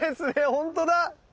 本当だ。